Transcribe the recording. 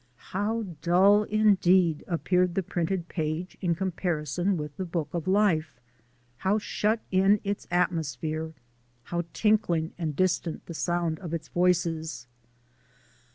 How dull indeed appeared the printed page in comparison with the book of life, how shut in its atmosphere, how tinkling and distant the sound of its voices.